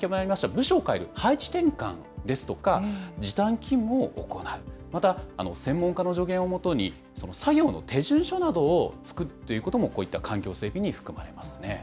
部署を変える配置転換ですとか、時短勤務を行う、また専門家の助言をもとに、作業の手順書などを作るということも、こういった環境整備に含まれますね。